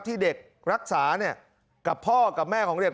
ที่เด็กรักษาเนี่ยกับพ่อกับแม่ของเด็ก